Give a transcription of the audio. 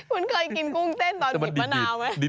คุณเคยกินกุ้งเต้นตอนบีบมะนาวไหม